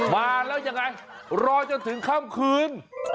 มาแล้วยังไงรอจนถึงค่ำคืน